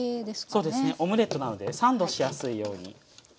そうですねオムレットなのでサンドしやすいように。